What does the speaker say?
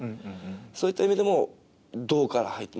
そういった意味でも動から入る。